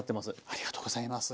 ありがとうございます。